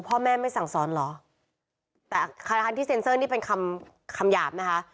พ่อแม่ไม่สั่งสอนเหรอแต่อาคารที่เซ็นเซอร์นี่เป็นคำคำหยาบนะคะ